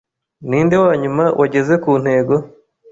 Ninde wanyuma wageze kuntego?